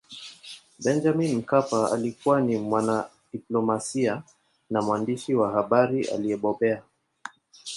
benjamin mkapa alikuwa ni mwanadiplomasia na mwandishi wa habari aliyebobea